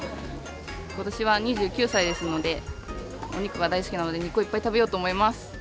今年は２９歳ですのでお肉が大好きなので肉をいっぱい食べようと思います。